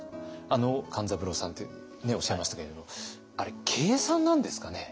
あの勘三郎さんっておっしゃいましたけれどもあれ計算なんですかね？